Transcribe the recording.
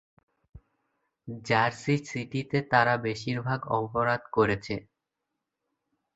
Jersey সিটিতে তারা বেশিরভাগ অপরাধ করেছে।